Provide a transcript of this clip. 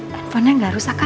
teleponnya nggak rusak kan